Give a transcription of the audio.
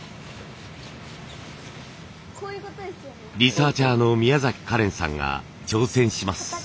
リサーチャーの宮香蓮さんが挑戦します。